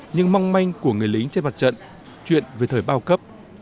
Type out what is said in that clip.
nhưng mong manh của người lính trên mặt trận chuyện về thời bao cấp